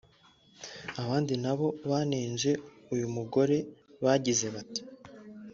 Abandi nabo banenze uyu mugore bagize bati